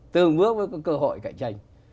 từng bước mới có cơ hội cạnh tranh